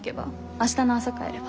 明日の朝帰れば？